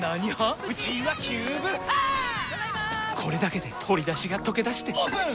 これだけで鶏だしがとけだしてオープン！